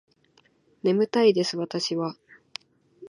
眠たいです私は